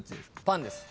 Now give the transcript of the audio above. パンです。